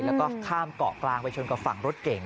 แล้วก็ข้ามเกาะกลางไปชนกับฝั่งรถเก่ง